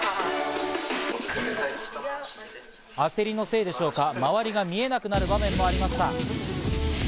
焦りのせいでしょうか、周りが見えなくなる場面もありました。